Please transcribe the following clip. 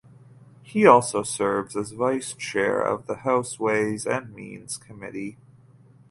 He also serves as vice chair of the House Ways and Means Committee.